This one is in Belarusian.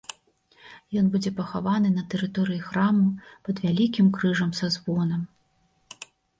Ён будзе пахаваны на тэрыторыі храму пад вялікім крыжам са звонам.